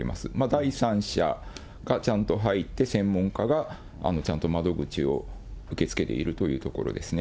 第三者がちゃんと入って、専門家がちゃんと窓口を受け付けているというところですね。